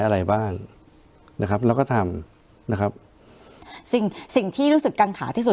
อะไรบ้างนะครับแล้วก็ทำนะครับสิ่งสิ่งที่รู้สึกกังขาที่สุด